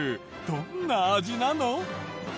どんな味なの？